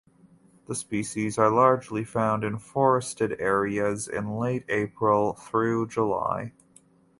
The species are largely found in forested areas in late April through July.